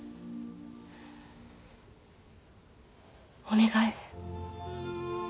お願い